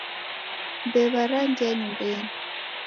Mbew'a rangia nyumbenyi